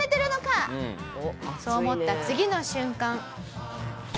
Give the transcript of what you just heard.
そう思った次の瞬間。